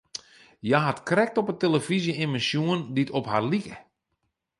Hja hat krekt op 'e telefyzje immen sjoen dy't op har like.